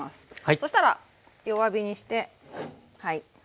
そしたら弱火にしてはい。